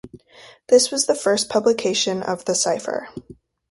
This was the first publication of the cipher.